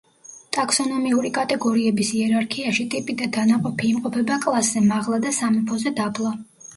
ტაქსონომიური კატეგორიების იერარქიაში ტიპი და დანაყოფი იმყოფება კლასზე მაღლა და სამეფოზე დაბლა.